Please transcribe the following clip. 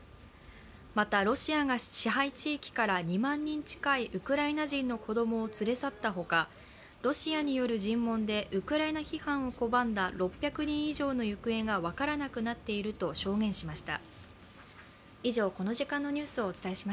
また、ロシアが支配地域から２万人近いウクライナ人の子供を連れ去ったほかロシアによる尋問でウクライナ批判を拒んだ６００人以上の行方が分からなくなっていると証言しました。